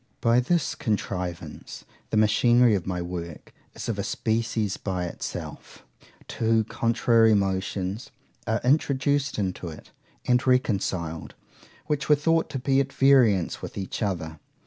By this contrivance the machinery of my work is of a species by itself; two contrary motions are introduced into it, and reconciled, which were thought to be at variance with each other.